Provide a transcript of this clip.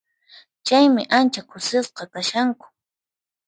Chaymi ancha kusisqa kashanku.